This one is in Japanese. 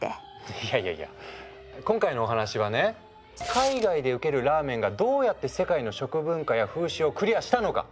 いやいやいや今回のお話はね海外でウケるラーメンがどうやって世界の食文化や風習をクリアしたのか。